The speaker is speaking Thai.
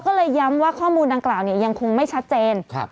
ก็เลยย้ำว่าข้อมูลดังกล่าวเนี่ยยังคงไม่ชัดเจน